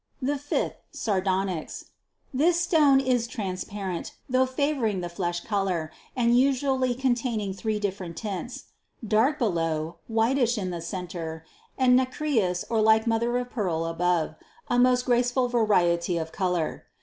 289. "The fifth, sardonyx." This stone is transpar ent, though favoring the flesh color and usually contain ing three different tints : dark below, whitish in the cen tre, and nacreous or like mother of pearl above, a most graceful variety of color.